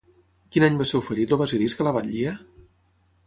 Quin any va ser oferit el Basilisc a la batllia?